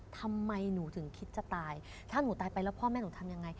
ทำไมหนูถึงคิดจะตายถ้าหนูตายไปแล้วพ่อแม่หนูทำยังไง